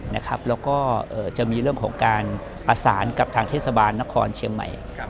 แล้วก็จะมีเรื่องของการประสานกับทางเทศบาลนครเชียงใหม่